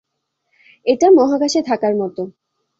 এটা মহাকাশে থাকার মত।